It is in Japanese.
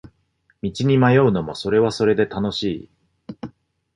道に迷うのもそれはそれで楽しい